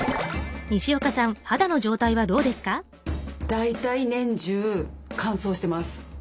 大体年中乾燥してます。